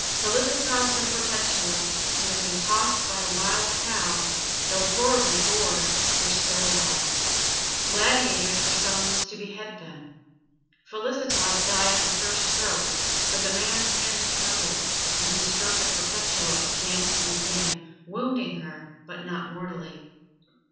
Felicitas and Perpetua, who had been tossed by a wild cow, though horribly gored, were still alive. Gladiators were summoned to behead them. Felicitas died at the first stroke, but the man's hand trembled, and he struck at Perpetua again and again, wounding her, but not mortally.